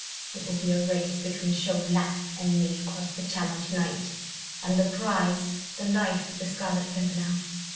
It will be a race between Chauvelin and me across the Channel to night—and the prize—the life of the Scarlet Pimpernel."